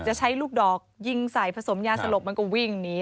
จะใช้ลูกดอกยิงใส่ผสมยาสลบมันก็วิ่งหนี